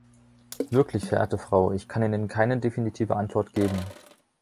Wirklich, verehrte Frau, ich kann Ihnen keine definitive Antwort geben.